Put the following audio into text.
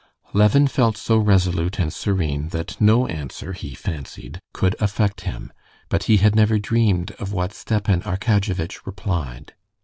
Levin felt so resolute and serene that no answer, he fancied, could affect him. But he had never dreamed of what Stepan Arkadyevitch replied.